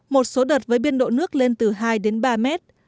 một số đợt với biên độ nước lên từ hai đến ba mét